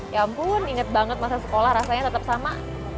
ya ampun inget banget masa sekolah rasanya tetap sama